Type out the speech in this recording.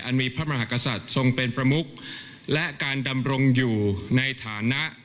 มีพระมหากษัตริย์ทรงเป็นประมุกและการดำรงอยู่ในฐานะ